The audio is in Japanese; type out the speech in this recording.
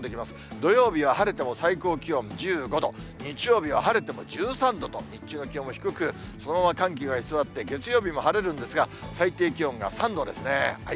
土曜日は晴れても最高気温１５度、日曜日は晴れても１３度と、日中の低くそのまま寒気が居座って、月曜日も晴れるんですが、最低気温が３度ですね。